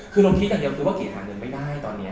คือเราคิดอย่างเดียวคือว่าเกตหาเงินไม่ได้ตอนนี้